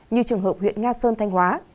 như trường hợp huyện nga sơn thanh hóa